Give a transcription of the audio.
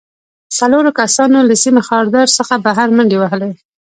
څلورو کسانو له سیم خاردار څخه بهر منډې وهلې